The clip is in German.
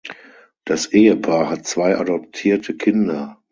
Das Ehepaar hat zwei adoptierte Kinder.